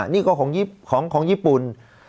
นี่ก็ของญี่ปุ่น